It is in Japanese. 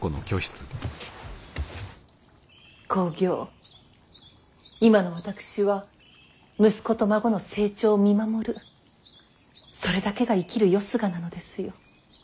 公暁今の私は息子と孫の成長を見守るそれだけが生きるよすがなのですよ。